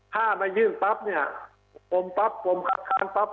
ถ้าไม่ยื่นปั๊บเนี่ยผมปั๊บผมขัดขั้นปั๊บ